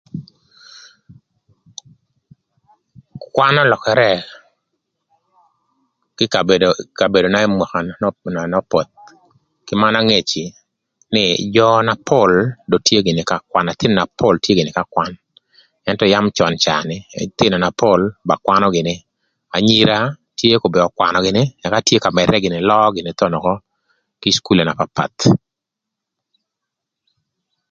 Kwan ölökërë kï kabedo ï kabedona ï mwaka n'opoth kï mana angec nï jö na pol dong tye ka kwan ëthïnö na pol tye gïnï ka kwan ëntö yam cön ca ni ëthïnö na pol ba kwanö gïnï. Anyira tye kobedi ökwanö gïnï ëka tye ka mëdërë gïnï löö gïnï thon ökö kï cukule na papath.